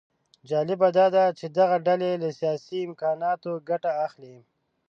جالبه داده چې دغه ډلې له سیاسي امکاناتو ګټه اخلي